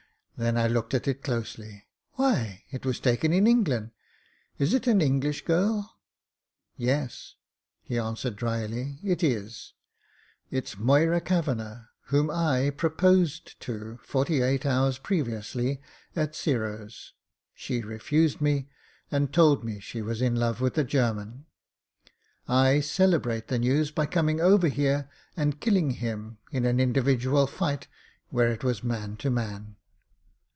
Then I looked at it closely. "Why, it was taken in England Is it an English girl?" "Yes," he answered, dryly, "it is. It's Moyra Kavanagh, whom I proposed to forty eight hours previously at Giro's. She refused me, and told me then she was in love with a German. I celebrate the news by coming over here and killing him, in an individual fight where it was man to man."